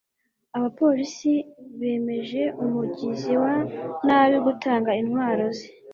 abapolisi bemeje umugizi wa nabi gutanga intwaro ye